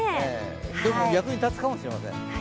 でも、役に立つかもしれません。